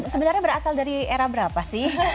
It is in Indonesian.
sebenarnya berasal dari era berapa sih